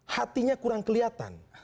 hatinya kurang kelihatan